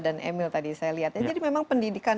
dan emil tadi saya lihat jadi memang pendidikan